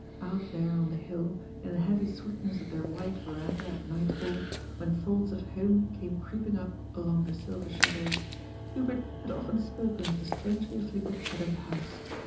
Out there, on the hill, in the heavy sweetness of their wide veranda at nightfall, when thoughts of home came creeping up along the silver shadows, Hubert had often spoken of the strangely afflicted head of the house.